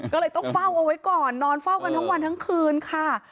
ก็เลยต้องเฝ้าเอาไว้ก่อนนอนเฝ้ากันทั้งวันทั้งคืนค่ะ